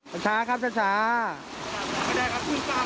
ประชาครับชา